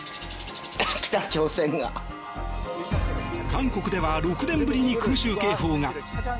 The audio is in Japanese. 韓国では６年ぶりに空襲警報が。